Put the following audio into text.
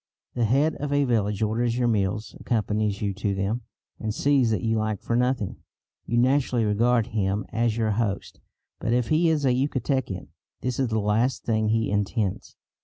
The head of a village orders your meals, accompanies you to them, and sees that you lack for nothing. You naturally regard him as your host; but if he is a Yucatecan this is the last thing he intends.